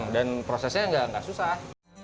dan prosesnya nggak susah